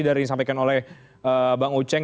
dari yang disampaikan oleh bang oceng